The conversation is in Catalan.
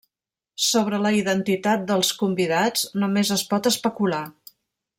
Sobre la identitat dels convidats només es pot especular.